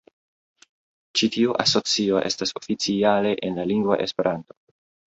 Ĉi-tiu asocio estas oficiale en la lingvo "Esperanto".